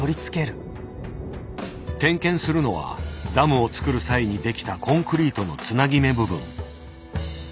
点検するのはダムを造る際にできたコンクリートのつなぎ目部分。